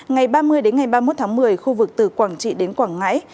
ngày ba mươi đến ngày ba mươi một tháng một mươi khu vực từ quảng trị đến quảng ngãi